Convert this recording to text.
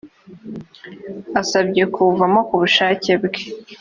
asabye kuwuvamo ku bushake bwe